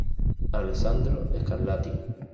Alessandro Scarlatti